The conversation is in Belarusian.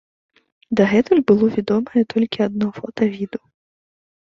Дагэтуль было вядомае толькі адно фота віду.